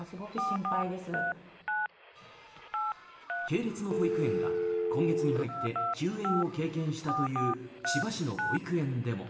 系列の保育園が今月に入って休園を経験したという千葉市の保育園でも。